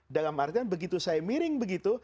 dalam artian begitu saya miring begitu